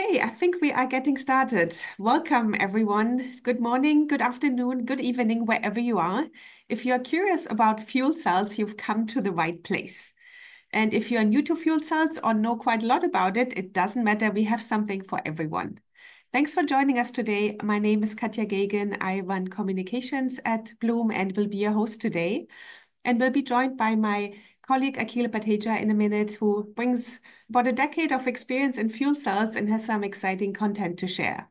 Okay, I think we are getting started. Welcome, everyone. Good morning, good afternoon, good evening, wherever you are. If you're curious about fuel cells, you've come to the right place. And if you're new to fuel cells or know quite a lot about it, it doesn't matter; we have something for everyone. Thanks for joining us today. My name is Katja Gagen. I run communications at Bloom and will be your host today. And we'll be joined by my colleague, Akhil Batheja, in a minute, who brings about a decade of experience in fuel cells and has some exciting content to share.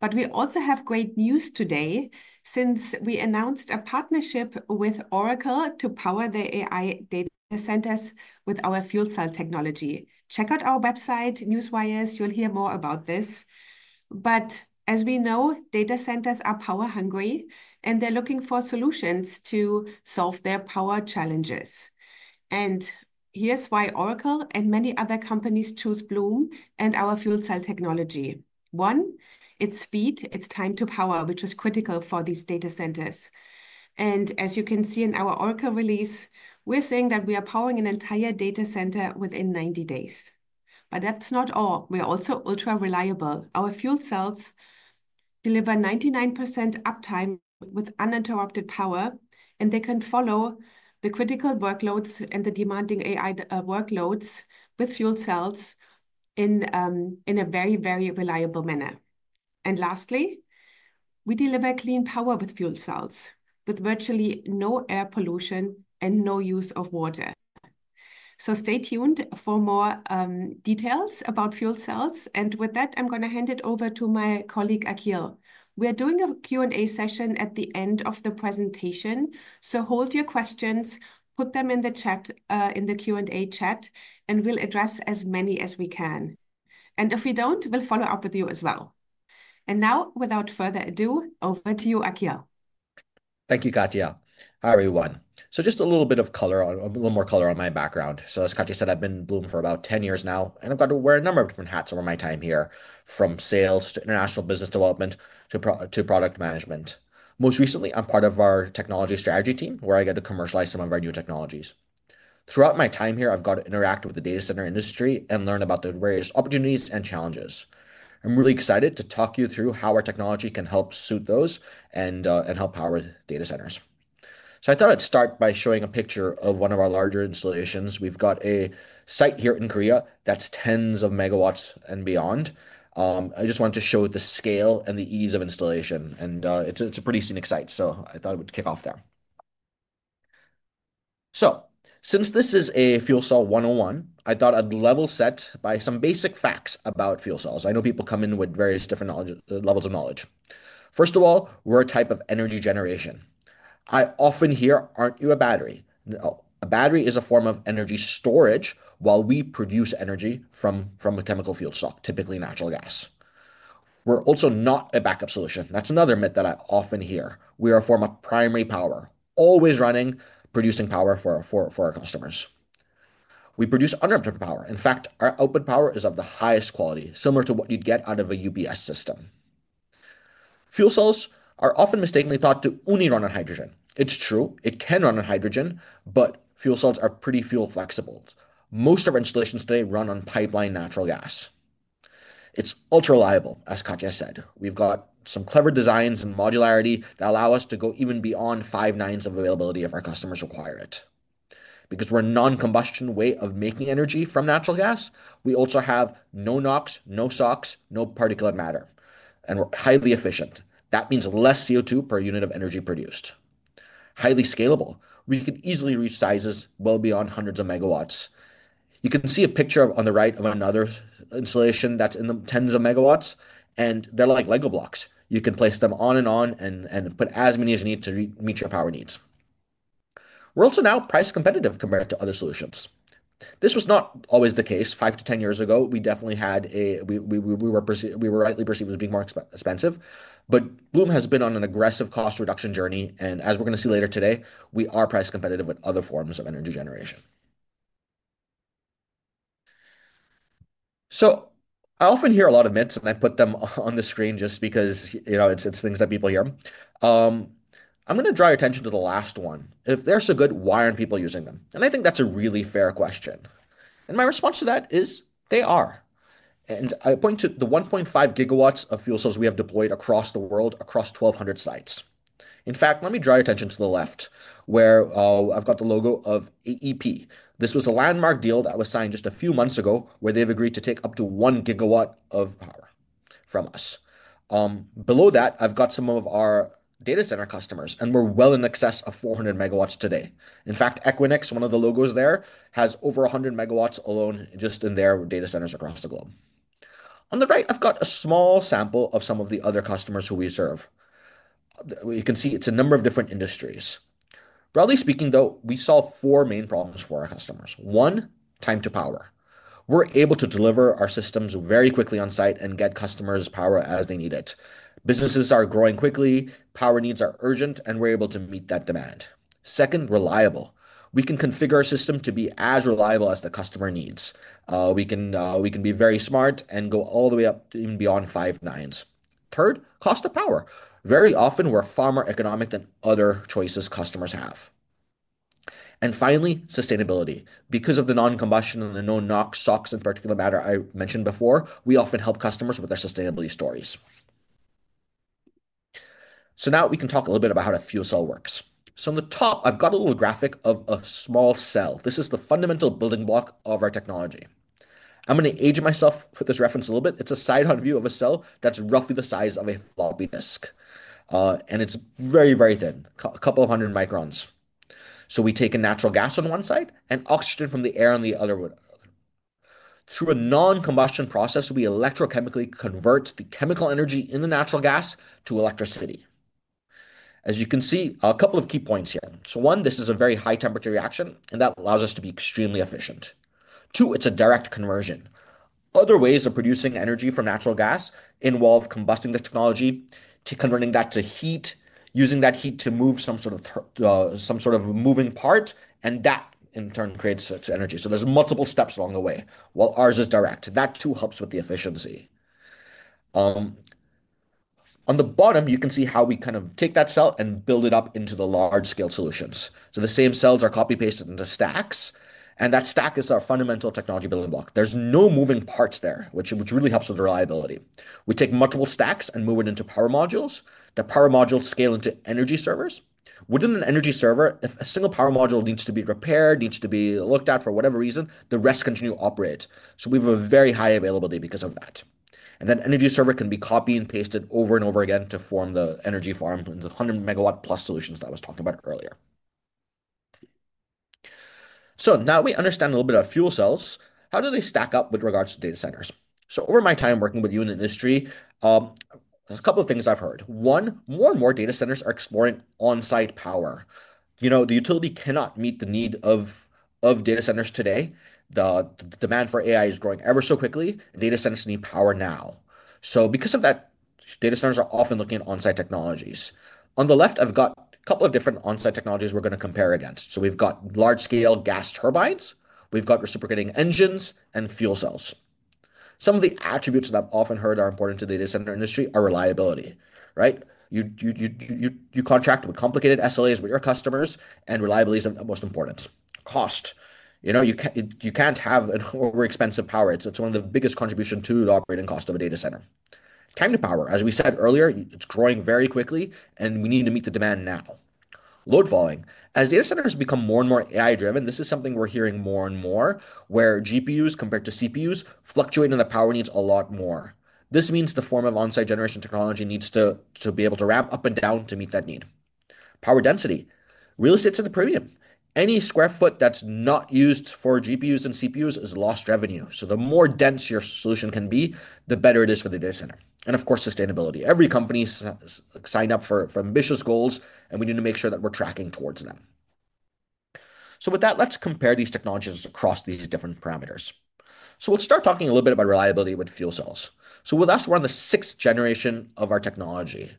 But we also have great news today since we announced a partnership with Oracle to power the AI data centers with our fuel cell technology. Check out our website, Newswires. You'll hear more about this. But as we know, data centers are power-hungry, and they're looking for solutions to solve their power challenges. And here's why Oracle and many other companies choose Bloom and our fuel cell technology. One, it's speed. It's time to power, which is critical for these data centers. And as you can see in our Oracle release, we're saying that we are powering an entire data center within 90 days. But that's not all. We're also ultra-reliable. Our fuel cells deliver 99% uptime with uninterrupted power, and they can follow the critical workloads and the demanding AI workloads with fuel cells in a very, very reliable manner. And lastly, we deliver clean power with fuel cells, with virtually no air pollution and no use of water. So stay tuned for more details about fuel cells. And with that, I'm going to hand it over to my colleague, Akhil. We're doing a Q&A session at the end of the presentation, so hold your questions, put them in the chat, in the Q&A chat, and we'll address as many as we can. And if we don't, we'll follow up with you as well. And now, without further ado, over to you, Akhil. Thank you, Katja. Hi, everyone. Just a little bit of color, a little more color on my background. As Katja said, I've been in Bloom for about 10 years now, and I've got to wear a number of different hats over my time here, from sales to international business development to product management. Most recently, I'm part of our technology strategy team, where I get to commercialize some of our new technologies. Throughout my time here, I've got to interact with the data center industry and learn about the various opportunities and challenges. I'm really excited to talk you through how our technology can help suit those and help power data centers. I thought I'd start by showing a picture of one of our larger installations. We've got a site here in Korea that's tens of MW and beyond. I just wanted to show the scale and the ease of installation. It's a pretty scenic site, so I thought I would kick off there. Since this is a fuel cell 101, I thought I'd level set by some basic facts about fuel cells. I know people come in with various different levels of knowledge. First of all, we're a type of energy generation. I often hear, "Aren't you a battery?" No, a battery is a form of energy storage while we produce energy from a chemical fuel source, typically natural gas. We're also not a backup solution. That's another myth that I often hear. We are a form of primary power, always running, producing power for our customers. We produce uninterrupted power. In fact, our output power is of the highest quality, similar to what you get out of a UPS system. Fuel cells are often mistakenly thought to only run on hydrogen. It's true. It can run on hydrogen, but fuel cells are pretty fuel flexible. Most of our installations today run on pipeline natural gas. It's ultra-reliable, as Katja said. We've got some clever designs and modularity that allow us to go even beyond five nines of availability if our customers require it. Because we're a non-combustion way of making energy from natural gas, we also have no NOx, no SOx, no particulate matter, and we're highly efficient. That means less CO2 per unit of energy produced. Highly scalable. We could easily reach sizes well beyond hundreds of MW. You can see a picture on the right of another installation that's in the tens of MW, and they're like Lego blocks. You can place them on and on and put as many as you need to meet your power needs. We're also now price-competitive compared to other solutions. This was not always the case. Five to ten years ago, we definitely had a—we were rightly perceived as being more expensive. Bloom has been on an aggressive cost-reduction journey, and as we're going to see later today, we are price-competitive with other forms of energy generation. So I often hear a lot of myths, and I put them on the screen just because it's things that people hear. I'm going to draw your attention to the last one. If they're so good, why aren't people using them? I think that's a really fair question. My response to that is, they are. I point to the 1.5 GW of fuel cells we have deployed across the world, across 1,200 sites. In fact, let me draw your attention to the left, where I've got the logo of AEP. This was a landmark deal that was signed just a few months ago, where they've agreed to take up to 1 GW of power from us. Below that, I've got some of our data center customers, and we're well in excess of 400 MW today. In fact, Equinix, one of the logos there, has over 100 MW alone just in their data centers across the globe. On the right, I've got a small sample of some of the other customers who we serve. You can see it's a number of different industries. Broadly speaking, though, we saw four main problems for our customers. One, time to power. We're able to deliver our systems very quickly on site and get customers power as they need it. Businesses are growing quickly, power needs are urgent, and we're able to meet that demand. Second, reliable. We can configure our system to be as reliable as the customer needs. We can be very smart and go all the way up to even beyond five nines. Third, cost of power. Very often, we're far more economic than other choices customers have. Finally, sustainability. Because of the non-combustion and the no-NOx, SOx, and particulate matter I mentioned before, we often help customers with their sustainability stories. Now we can talk a little bit about how a fuel cell works. On the top, I've got a little graphic of a small cell. This is the fundamental building block of our technology. I'm going to age myself with this reference a little bit. It's a side-hot view of a cell that's roughly the size of a floppy disk. It's very, very thin, a couple of hundred microns. We take a natural gas on one side and oxygen from the air on the other one. Through a non-combustion process, we electrochemically convert the chemical energy in the natural gas to electricity. As you can see, a couple of key points here. One, this is a very high-temperature reaction, and that allows us to be extremely efficient. Two, it's a direct conversion. Other ways of producing energy from natural gas involve combusting the technology, converting that to heat, using that heat to move some sort of moving part, and that in turn creates energy. There's multiple steps along the way, while ours is direct. That too helps with the efficiency. On the bottom, you can see how we kind of take that cell and build it up into the large-scale solutions. The same cells are copy-pasted into stacks, and that stack is our fundamental technology building block. There are no moving parts there, which really helps with reliability. We take multiple stacks and move it into power modules. The power modules scale into energy servers. Within an energy server, if a single power module needs to be repaired, needs to be looked at for whatever reason, the rest continue to operate. We have a very high availability because of that. That energy server can be copied and pasted over and over again to form the energy farm in the 100 MW+ solutions that I was talking about earlier. Now that we understand a little bit about fuel cells, how do they stack up with regards to data centers? Over my time working with you in the industry, a couple of things I've heard. One, more and more data centers are exploring on-site power. You know, the utility cannot meet the need of data centers today. The demand for AI is growing ever so quickly, and data centers need power now. Because of that, data centers are often looking at on-site technologies. On the left, I've got a couple of different on-site technologies we're going to compare against. We've got large-scale gas turbines, we've got reciprocating engines, and fuel cells. Some of the attributes that I've often heard are important to the data center industry are reliability, right? You contract with complicated SLAs with your customers, and reliability is the most important. Cost. You can't have an over-expensive power. It's one of the biggest contributions to the operating cost of a data center. Time to power, as we said earlier, it's growing very quickly, and we need to meet the demand now. Load volume. As data centers become more and more AI-driven, this is something we're hearing more and more, where GPUs compared to CPUs fluctuate in the power needs a lot more. This means the form of on-site generation technology needs to be able to ramp up and down to meet that need. Power density. Real estate's at the premium. Any square foot that's not used for GPUs and CPUs is lost revenue. The more dense your solution can be, the better it is for the data center. Of course, sustainability. Every company signed up for ambitious goals, and we need to make sure that we're tracking towards them. With that, let's compare these technologies across these different parameters. We'll start talking a little bit about reliability with fuel cells. With us, we're on the sixth generation of our technology.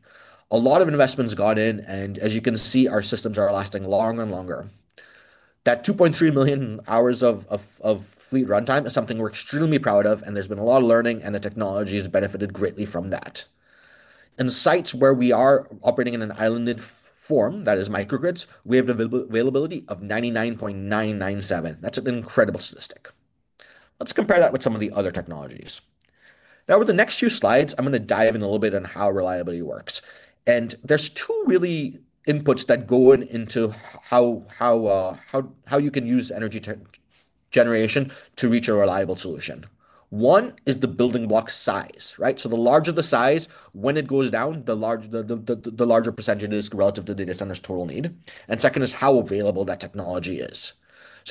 A lot of investments got in, and as you can see, our systems are lasting longer and longer. That 2.3 million hours of. Fleet runtime is something we're extremely proud of, and there's been a lot of learning, and the technology has benefited greatly from that. In sites where we are operating in an islanded form, that is microgrids, we have the availability of 99.997%. That's an incredible statistic. Let's compare that with some of the other technologies. Now, with the next few slides, I'm going to dive in a little bit on how reliability works. There's two really inputs that go into how you can use energy generation to reach a reliable solution. One is the building block size, right? The larger the size, when it goes down, the larger percentage it is relative to the data center's total need. Second is how available that technology is.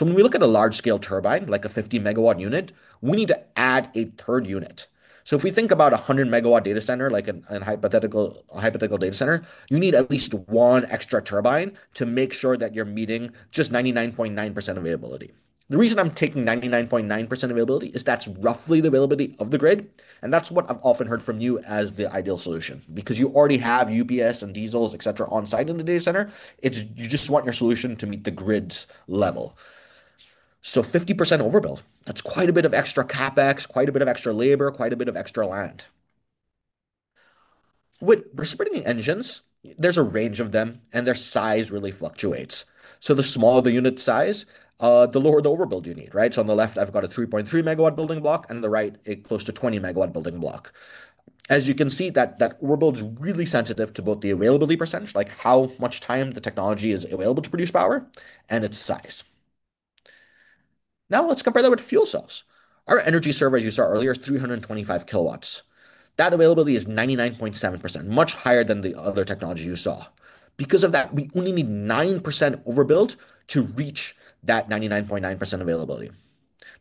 When we look at a large-scale turbine, like a 50 MW unit, we need to add a third unit. If we think about a 100 MW data center, like a hypothetical data center, you need at least one extra turbine to make sure that you're meeting just 99.9% availability. The reason I'm taking 99.9% availability is that's roughly the availability of the grid, and that's what I've often heard from you as the ideal solution. You already have UPS and diesels, etc., on site in the data center, you just want your solution to meet the grid's level. 50% overbuild, that's quite a bit of extra CapEx, quite a bit of extra labor, quite a bit of extra land. With reciprocating engines, there's a range of them, and their size really fluctuates. The smaller the unit size, the lower the overbuild you need, right? On the left, I've got a 3.3 MW building block, and on the right, a close to 20 MW building block. As you can see, that overbuild is really sensitive to both the availability percentage, like how much time the technology is available to produce power, and its size. Now let's compare that with fuel cells. Our energy service, as you saw earlier, is 325 kW. That availability is 99.7%, much higher than the other technology you saw. Because of that, we only need 9% overbuild to reach that 99.9% availability.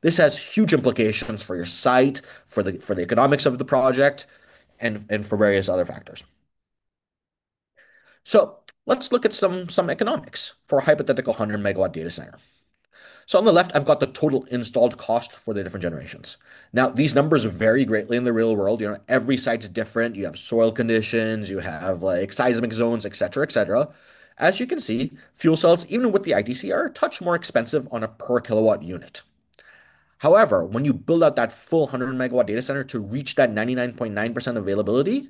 This has huge implications for your site, for the economics of the project, and for various other factors. Let's look at some economics for a hypothetical 100 MW data center. On the left, I've got the total installed cost for the different generations. These numbers vary greatly in the real world. Every site's different. You have soil conditions, you have seismic zones, etc., etc. As you can see, fuel cells, even with the ITC, are a touch more expensive on a per-kilowatt unit. However, when you build out that full 100 MW data center to reach that 99.9% availability,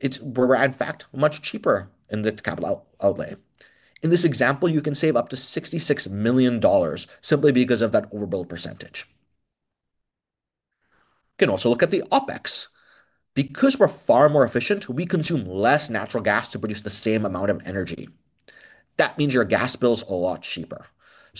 it's in fact much cheaper in the capital outlay. In this example, you can save up to $66 million simply because of that overbuild percentage. You can also look at the OpEx. Because we're far more efficient, we consume less natural gas to produce the same amount of energy. That means your gas bills are a lot cheaper.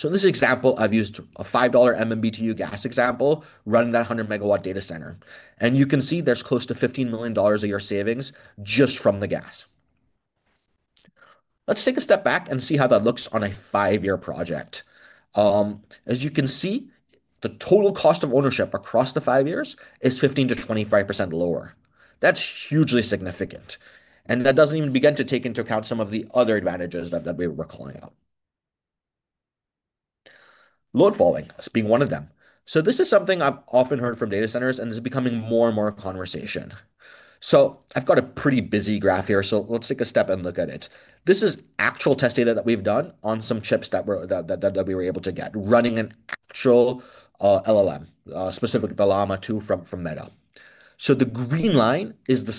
In this example, I've used a $5 MMBtu gas example running that 100 MW data center. You can see there's close to $15 million a year savings just from the gas. Let's take a step back and see how that looks on a five-year project. As you can see, the total cost of ownership across the five years is 15%-25% lower. That's hugely significant. That doesn't even begin to take into account some of the other advantages that we were calling out. Load volume is being one of them. This is something I've often heard from data centers, and it's becoming more and more a conversation. I've got a pretty busy graph here, so let's take a step and look at it. This is actual test data that we've done on some chips that we were able to get running an actual LLM, specifically the Llama 2 from Meta. The green line is the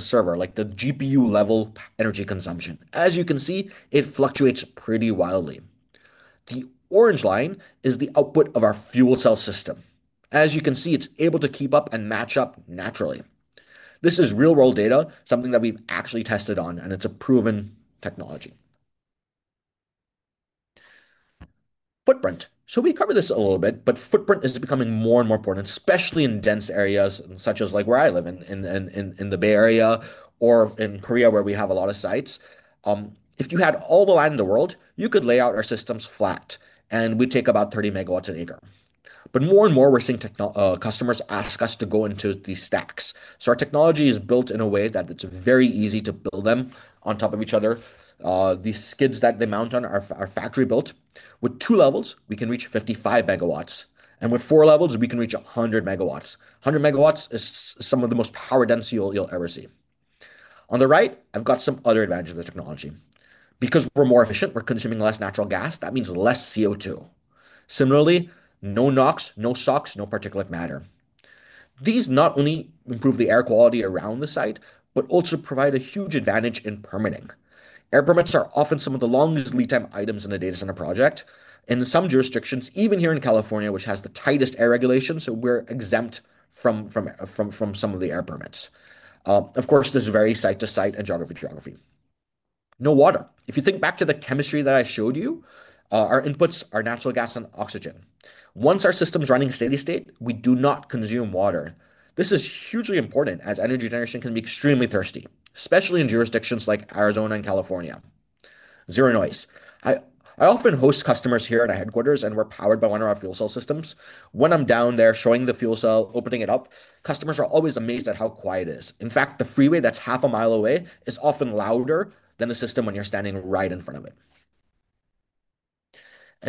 server, like the GPU-level energy consumption. As you can see, it fluctuates pretty wildly. The orange line is the output of our fuel cell system. As you can see, it's able to keep up and match up naturally. This is real-world data, something that we've actually tested on, and it's a proven technology. Footprint. We covered this a little bit, but footprint is becoming more and more important, especially in dense areas such as where I live in the Bay Area or in Korea, where we have a lot of sites. If you had all the land in the world, you could lay out our systems flat, and we'd take about 30 MW an acre. More and more, we're seeing customers ask us to go into these stacks. Our technology is built in a way that it's very easy to build them on top of each other. These skids that they mount on are factory-built. With two levels, we can reach 55 MW, and with four levels, we can reach 100 MW. 100 MW is some of the most power-dense you'll ever see. On the right, I've got some other advantages of the technology. Because we're more efficient, we're consuming less natural gas, that means less CO2. Similarly, no NOx, no SOx, no particulate matter. These not only improve the air quality around the site, but also provide a huge advantage in permitting. Air permits are often some of the longest lead-time items in a data center project. In some jurisdictions, even here in California, which has the tightest air regulations, we're exempt from some of the air permits. Of course, this varies site to site and geography to geography. No water. If you think back to the chemistry that I showed you, our inputs are natural gas and oxygen. Once our system's running steady state, we do not consume water. This is hugely important, as energy generation can be extremely thirsty, especially in jurisdictions like Arizona and California. Zero noise. I often host customers here at our headquarters, and we're powered by one of our fuel cell systems. When I'm down there showing the fuel cell, opening it up, customers are always amazed at how quiet it is. In fact, the freeway that's half a mile away is often louder than the system when you're standing right in front of it.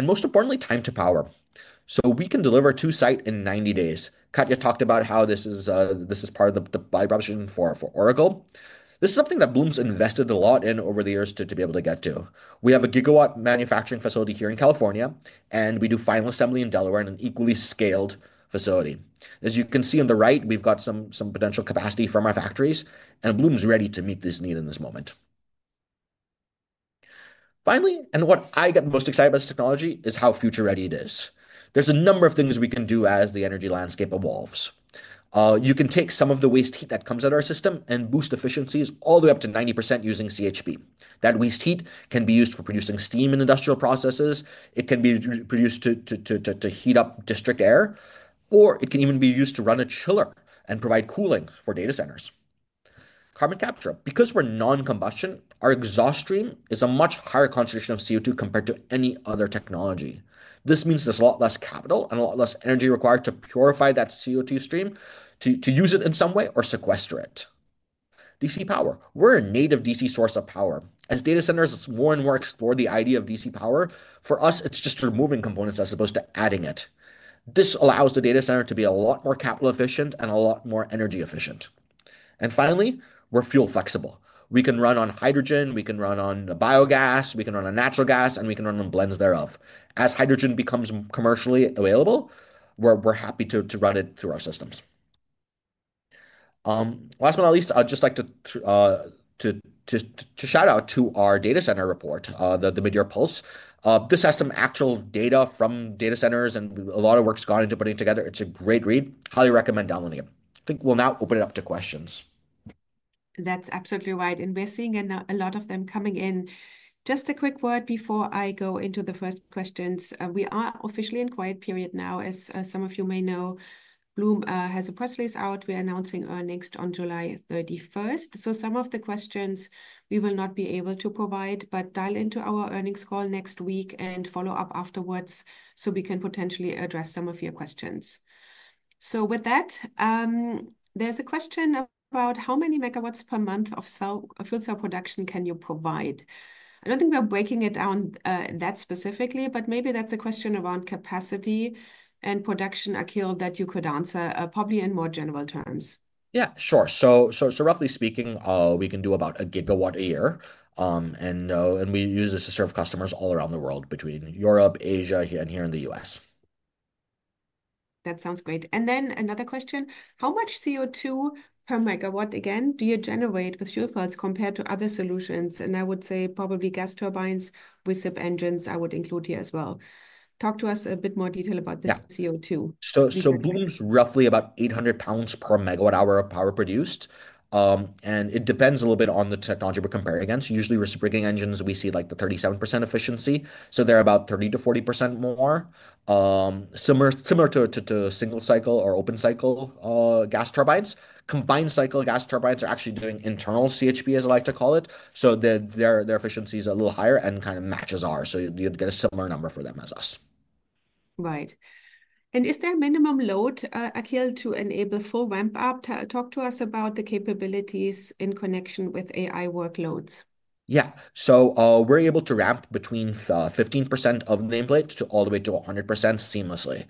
Most importantly, time to power. We can deliver to site in 90 days. Katja talked about how this is part of the buy proposition for Oracle. This is something that Bloom's invested a lot in over the years to be able to get to. We have a gigawatt manufacturing facility here in California, and we do final assembly in Delaware in an equally scaled facility. As you can see on the right, we've got some potential capacity from our factories, and Bloom's ready to meet this need in this moment. Finally, and what I get the most excited about this technology is how future-ready it is. There are a number of things we can do as the energy landscape evolves. You can take some of the waste heat that comes out of our system and boost efficiencies all the way up to 90% using CHP. That waste heat can be used for producing steam in industrial processes. It can be produced to heat up district air, or it can even be used to run a chiller and provide cooling for data centers. Carbon capture. Because we're non-combustion, our exhaust stream is a much higher concentration of CO2 compared to any other technology. This means there's a lot less capital and a lot less energy required to purify that CO2 stream, to use it in some way or sequester it. DC power. We're a native DC source of power. As data centers more and more explore the idea of DC power, for us, it's just removing components as opposed to adding it. This allows the data center to be a lot more capital-efficient and a lot more energy-efficient. Finally, we're fuel-flexible. We can run on hydrogen, we can run on biogas, we can run on natural gas, and we can run on blends thereof. As hydrogen becomes commercially available, we're happy to run it through our systems. Last but not least, I'd just like to shout out to our data center report, the Mid-Year Pulse. This has some actual data from data centers, and a lot of work's gone into putting it together. It's a great read. Highly recommend downloading it. I think we'll now open it up to questions. That's absolutely right. We're seeing a lot of them coming in. Just a quick word before I go into the first questions. We are officially in a quiet period now, as some of you may know. Bloom has a press release out. We're announcing earnings on July 31st. Some of the questions we will not be able to provide, but dial into our earnings call next week and follow up afterwards so we can potentially address some of your questions. With that, there's a question about how many megawatts per month of fuel cell production can you provide? I don't think we're breaking it down that specifically, but maybe that's a question around capacity and production, Akhil, that you could answer probably in more general terms. Yeah, sure. Roughly speaking, we can do about a gigawatt a year. We use this to serve customers all around the world, between Europe, Asia, and here in the U.S. That sounds great. Another question, how much CO2 per megawatt, again, do you generate with fuel cells compared to other solutions? I would say probably gas turbines with SIP engines, I would include here as well. Talk to us a bit more detail about this CO2. Bloom's roughly about 800 pounds per MW hour of power produced. It depends a little bit on the technology we're comparing against. Usually, with springing engines, we see like the 37% efficiency. They're about 30%-40% more. Similar to single-cycle or open-cycle gas turbines. Combined-cycle gas turbines are actually doing internal CHP, as I like to call it. Their efficiency is a little higher and kind of matches ours. You'd get a similar number for them as us. Right. Is there a minimum load, Akhil, to enable full ramp-up? Talk to us about the capabilities in connection with AI workloads. Yeah. We're able to ramp between 15% of the input to all the way to 100% seamlessly.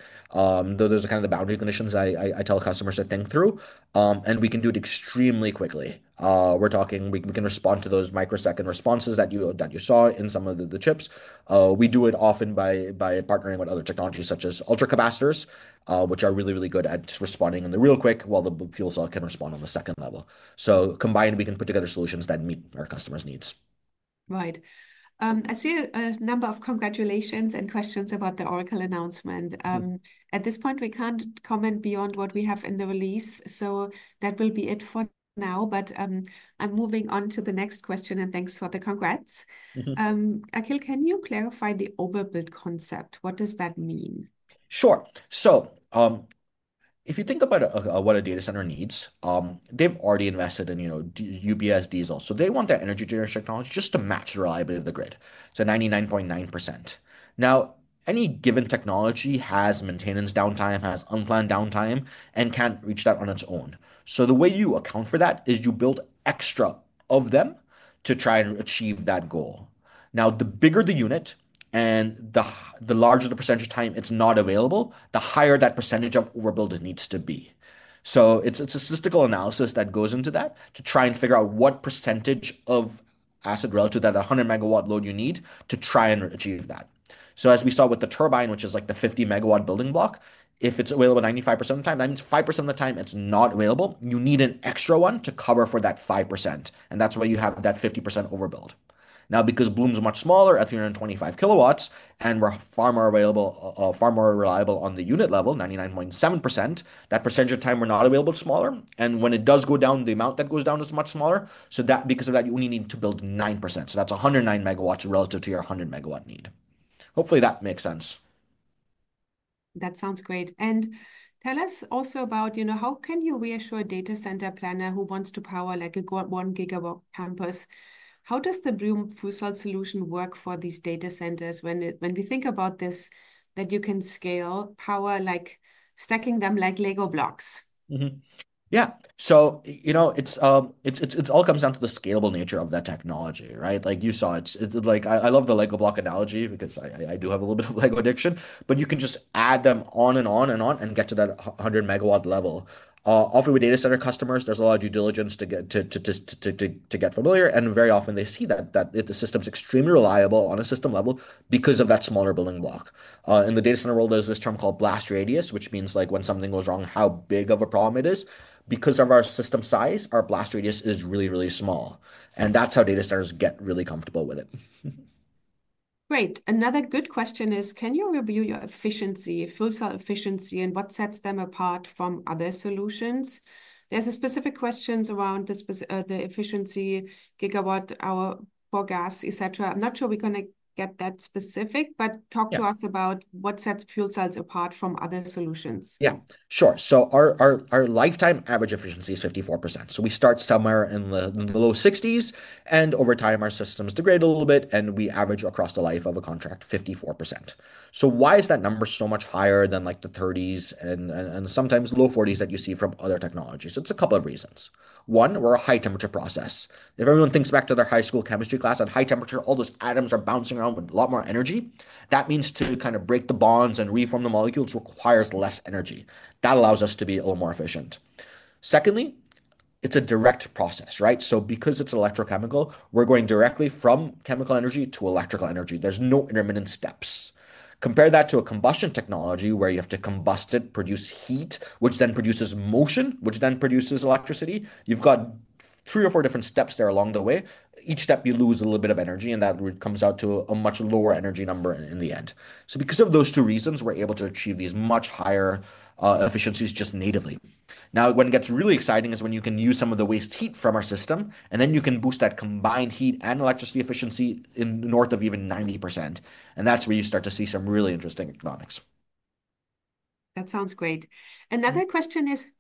Those are kind of the boundary conditions I tell customers to think through. We can do it extremely quickly. We're talking we can respond to those microsecond responses that you saw in some of the chips. We do it often by partnering with other technologies such as ultra-capacitors, which are really, really good at responding on the real quick while the fuel cell can respond on the second level. Combined, we can put together solutions that meet our customers' needs. Right. I see a number of congratulations and questions about the Oracle announcement. At this point, we can't comment beyond what we have in the release. That will be it for now. I'm moving on to the next question. Thanks for the congrats. Akhil, can you clarify the overbuild concept? What does that mean? Sure. If you think about what a data center needs, they've already invested in UPS diesel. They want their energy generation technology just to match the reliability of the grid, so 99.9%. Any given technology has maintenance downtime, has unplanned downtime, and can't reach that on its own. The way you account for that is you build extra of them to try and achieve that goal. Now, the bigger the unit and the larger the percentage of time it's not available, the higher that percentage of overbuild it needs to be. It's a statistical analysis that goes into that to try and figure out what percentage of asset relative to that 100 MW load you need to try and achieve that. As we saw with the turbine, which is like the 50 MW building block, if it's available 95% of the time, that means 5% of the time it's not available, you need an extra one to cover for that 5%. That's why you have that 50% overbuild. Now, because Bloom's much smaller at 325 kW and we're far more available, far more reliable on the unit level, 99.7%, that percentage of time we're not available is smaller. When it does go down, the amount that goes down is much smaller. Because of that, you only need to build 9%. That's 109 MW relative to your 100 MW need. Hopefully, that makes sense. That sounds great. Tell us also about, you know, how can you reassure a data center planner who wants to power like a 1 GW campus? How does the Bloom Fusel solution work for these data centers when we think about this that you can scale power like stacking them like LEGO blocks? Mm-hmm. Yeah. You know, it all comes down to the scalable nature of that technology, right? Like you saw, it's like I love the LEGO block analogy because I do have a little bit of LEGO addiction, but you can just add them on and on and on and get to that 10 MW level. Often with data center customers, there's a lot of due diligence to get familiar, and very often they see that the system's extremely reliable on a system level because of that smaller building block. In the data center world, there's this term called blast radius, which means like when something goes wrong, how big of a problem it is. Because of our system size, our blast radius is really, really small. That's how data centers get really comfortable with it. Great. Another good question is, can you review your efficiency, fuel cell efficiency, and what sets them apart from other solutions? There's specific questions around the efficiency, gigawatt hour, four gas, et cetera. I'm not sure we're going to get that specific, but talk to us about what sets fuel cells apart from other solutions. Yeah, sure. Our lifetime average efficiency is 54%. We start somewhere in the low 60s, and over time, our systems degrade a little bit, and we average across the life of a contract 54%. Why is that number so much higher than like the 30s and sometimes low 40s that you see from other technologies? It's a couple of reasons. One, we're a high-temperature process. If everyone thinks back to their high school chemistry class, at high temperature, all those atoms are bouncing around with a lot more energy. That means to kind of break the bonds and reform the molecules requires less energy. That allows us to be a little more efficient. Secondly, it's a direct process, right? So because it's electrochemical, we're going directly from chemical energy to electrical energy. There's no intermittent steps. Compare that to a combustion technology where you have to combust it, produce heat, which then produces motion, which then produces electricity. You've got three or four different steps there along the way. Each step, you lose a little bit of energy, and that comes out to a much lower energy number in the end. Because of those two reasons, we're able to achieve these much higher efficiencies just natively. Now, when it gets really exciting is when you can use some of the waste heat from our system, and then you can boost that combined heat and electricity efficiency in the north of even 90%. That's where you start to see some really interesting economics. That sounds great. Another question is,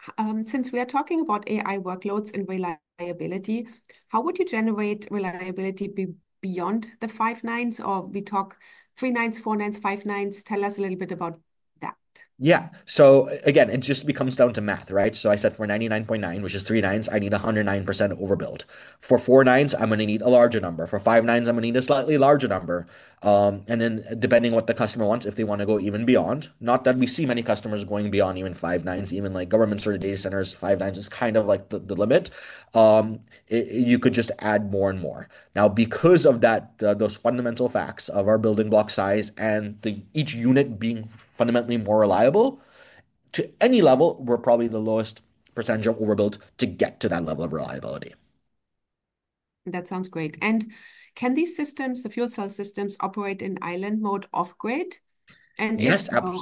since we are talking about AI workloads and reliability, how would you generate reliability beyond the five nines? Or we talk three nines, four nines, five nines. Tell us a little bit about that. Yeah. Again, it just becomes down to math, right? I said for 99.9%, which is three nines, I need 109% overbuild. For four nines, I'm going to need a larger number. For five nines, I'm going to need a slightly larger number. Then depending on what the customer wants, if they want to go even beyond, not that we see many customers going beyond even five nines, even like government-sorted data centers, five nines is kind of like the limit. You could just add more and more. Now, because of those fundamental facts of our building block size and each unit being fundamentally more reliable, to any level, we're probably the lowest percentage of overbuild to get to that level of reliability. That sounds great. Can these systems, the fuel cell systems, operate in island mode off-grid? If so,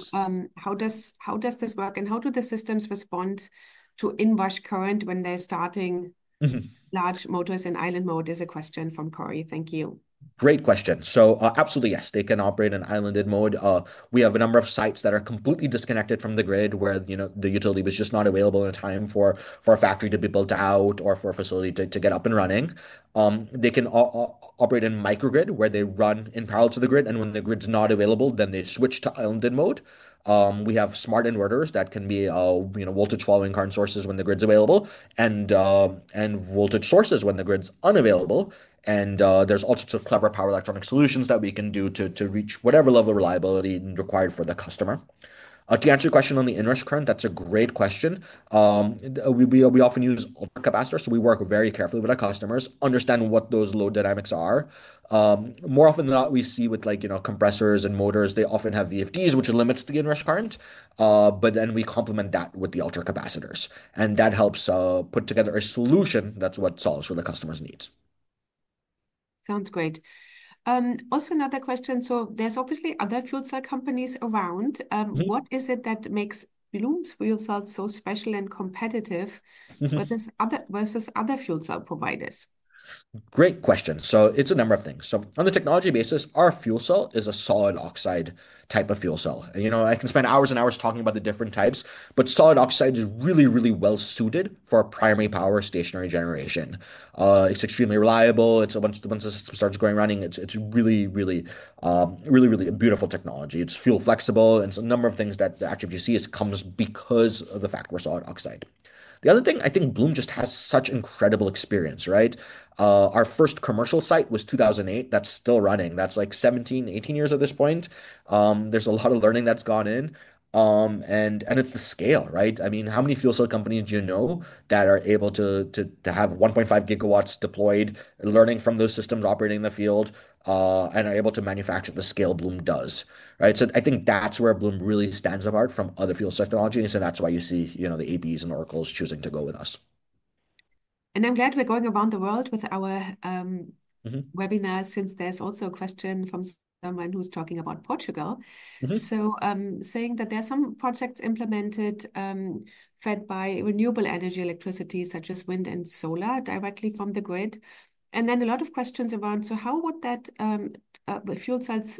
how does this work? How do the systems respond to in-rush current when they're starting? Large motors in island mode is a question from Cory. Thank you. Great question. Absolutely, yes. They can operate in islanded mode. We have a number of sites that are completely disconnected from the grid where the utility is just not available in a time for a factory to be built out or for a facility to get up and running. They can operate in microgrid where they run in parallel to the grid. When the grid's not available, then they switch to islanded mode. We have smart inverters that can be voltage-following current sources when the grid's available and. Voltage sources when the grid's unavailable. And there's all sorts of clever power electronic solutions that we can do to reach whatever level of reliability required for the customer. To answer your question on the in-rush current, that's a great question. We often use capacitors. So we work very carefully with our customers, understand what those load dynamics are. More often than not, we see with compressors and motors, they often have VFDs, which limits the in-rush current. But then we complement that with the ultra-capacitors. And that helps put together a solution that's what solves for the customer's needs. Sounds great. Also, another question. So there's obviously other fuel cell companies around. What is it that makes Bloom's fuel cell so special and competitive versus other fuel cell providers? Great question. So it's a number of things. So on the technology basis, our fuel cell is a solid oxide type of fuel cell. And you know, I can spend hours and hours talking about the different types, but solid oxide is really, really well suited for primary power stationary generation. It's extremely reliable. Once it starts running, it's really, really, really, really a beautiful technology. It's fuel-flexible. And it's a number of things that actually you see it comes because of the fact we're solid oxide. The other thing, I think Bloom just has such incredible experience, right? Our first commercial site was 2008. That's still running. That's like 17, 18 years at this point. There's a lot of learning that's gone in. And it's the scale, right? I mean, how many fuel cell companies do you know that are able to have 1.5 GW deployed, learning from those systems operating in the field, and are able to manufacture the scale Bloom does, right? I think that's where Bloom really stands apart from other fuel cell technologies. And that's why you see the AEPs and the Oracles choosing to go with us. I'm glad we're going around the world with our webinar since there's also a question from someone who's talking about Portugal. Saying that there's some projects implemented, fed by renewable energy electricity, such as wind and solar, directly from the grid. And then a lot of questions around, how would that fuel cells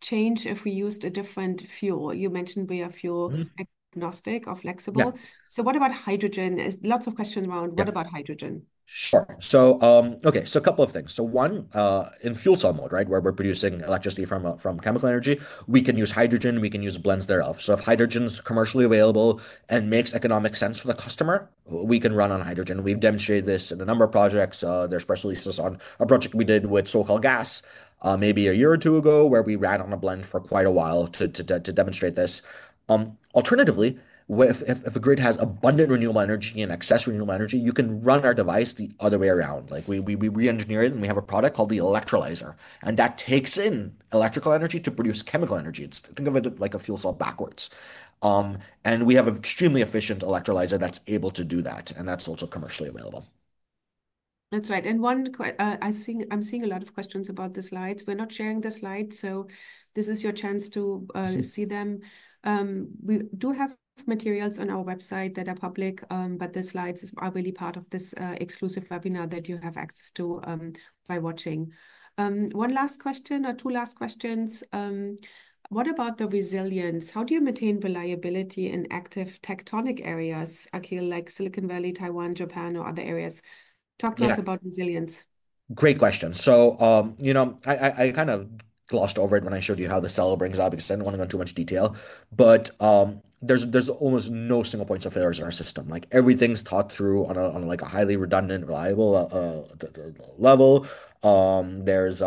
change if we used a different fuel? You mentioned we are fuel agnostic or flexible. What about hydrogen? Lots of questions around what about hydrogen? Sure. Okay, a couple of things. One, in fuel cell mode, where we're producing electricity from chemical energy, we can use hydrogen, we can use blends thereof. If hydrogen's commercially available and makes economic sense for the customer, we can run on hydrogen. We've demonstrated this in a number of projects. There are press releases on a project we did with SoCalGas maybe a year or two ago where we ran on a blend for quite a while to demonstrate this. Alternatively, if the grid has abundant renewable energy and excess renewable energy, you can run our device the other way around. Like we re-engineer it and we have a product called the electrolyzer. And that takes in electrical energy to produce chemical energy. It's, think of it like a fuel cell backwards. And we have an extremely efficient electrolyzer that's able to do that. And that's also commercially available. That's right. And one question, I'm seeing a lot of questions about the slides. We're not sharing the slides. So this is your chance to see them. We do have materials on our website that are public, but the slides are really part of this exclusive webinar that you have access to by watching. One last question or two last questions. What about the resilience? How do you maintain reliability in active tectonic areas, Akhil, like Silicon Valley, Taiwan, Japan, or other areas? Talk to us about resilience. Great question. So, you know, I kind of glossed over it when I showed you how the cell brings up because I didn't want to go into too much detail. But there's almost no single point of failure in our system. Like everything's talked through on a highly redundant, reliable level. It's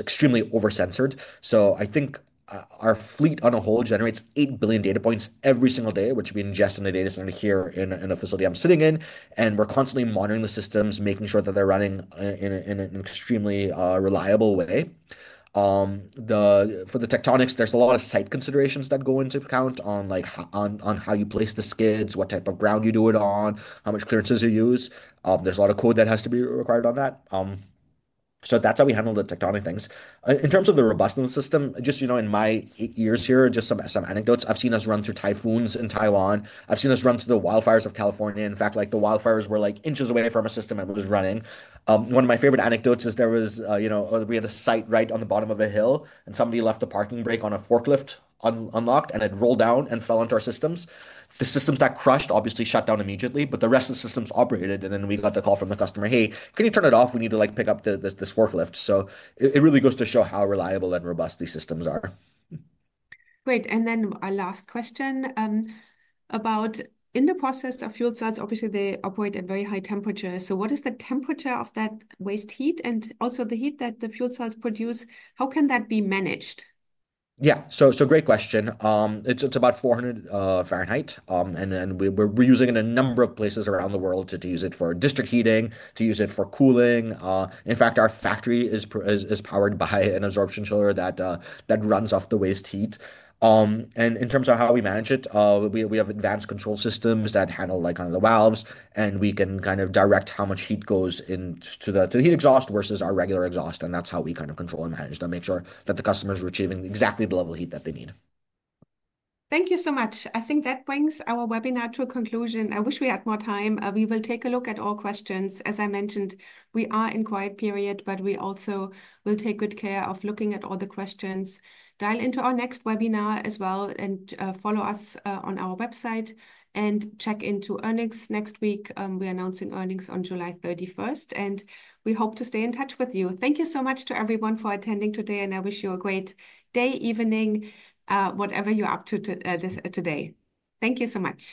extremely oversensored. So I think our fleet on a whole generates 8 billion data points every single day, which we ingest in the data center here in a facility I'm sitting in. And we're constantly monitoring the systems, making sure that they're running in an extremely reliable way. For the tectonics, there's a lot of site considerations that go into account on how you place the skids, what type of ground you do it on, how much clearances you use. There's a lot of code that has to be required on that. So that's how we handle the tectonic things. In terms of the robustness system, just, you know, in my eight years here, just some anecdotes. I've seen us run through typhoons in Taiwan. I've seen us run through the wildfires of California. In fact, like the wildfires were like inches away from a system that was running. One of my favorite anecdotes is there was, you know, we had a site right on the bottom of the hill and somebody left the parking brake on a forklift unlocked and it rolled down and fell into our systems. The system that crushed obviously shut down immediately, but the rest of the systems operated. And then we got the call from the customer, "Hey, can you turn it off? We need to like pick up this forklift." So it really goes to show how reliable and robust these systems are. Great. And then our last question. About in the process of fuel cells, obviously they operate at very high temperatures. So what is the temperature of that waste heat and also the heat that the fuel cells produce? How can that be managed? Yeah, so great question. It's about 400 degrees Fahrenheit. We are using it in a number of places around the world to use it for district heating, to use it for cooling. In fact, our factory is powered by an absorption chiller that runs off the waste heat. In terms of how we manage it, we have advanced control systems that handle under the valves. We can kind of direct how much heat goes into the heat exhaust versus our regular exhaust. That is how we kind of control and manage to make sure that the customer is retrieving exactly the level of heat that they need. Thank you so much. I think that brings our webinar to a conclusion. I wish we had more time. We will take a look at all questions. As I mentioned, we are in a quiet period, but we also will take good care of looking at all the questions. Dial into our next webinar as well and follow us on our website and check into earnings next week. We are announcing earnings on July 31st, and we hope to stay in touch with you. Thank you so much to everyone for attending today, and I wish you a great day, evening, whatever you are up to today. Thank you so much.